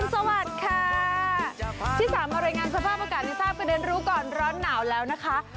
สวัสดีค่ะที่สามมารายงานสภาพอากาศให้ทราบกันในรู้ก่อนร้อนหนาวแล้วนะคะ